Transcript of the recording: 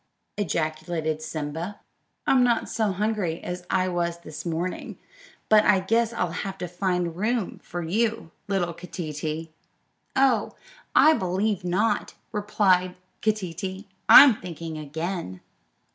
ejaculated Simba; "I'm not so hungry as I was this morning, but I guess I'll have to find room for you, little Keeteetee." "Oh, I believe not," replied Keeteetee; "I'm thinking again."